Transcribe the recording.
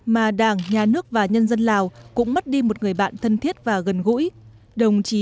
mà đảng nhà nước và nhân dân lào cũng mất đi một người bạn thân thiết và gần gũi